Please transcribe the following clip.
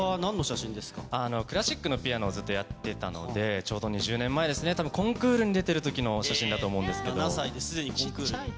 クラシックのピアノをずっとやっていたので、ちょうど２０年前コンクールに出ている時の写真だと思います。